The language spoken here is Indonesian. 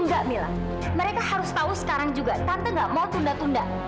enggak mila mereka harus tahu sekarang juga tante gak mau tunda tunda